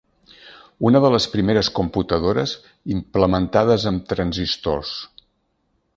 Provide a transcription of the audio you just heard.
Una de les primeres computadores implementades amb transistors.